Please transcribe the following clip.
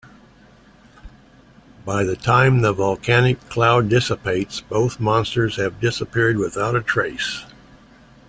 By the time the volcanic cloud dissipates, both monsters have disappeared without a trace.